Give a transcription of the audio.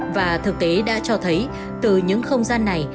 và thực tế đã cho thấy từ những không gian này